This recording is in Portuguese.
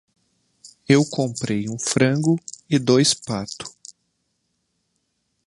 Eu comprei um frango e dois pato.